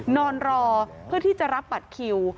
นอนรอเพื่อที่จะรับบัตรคิว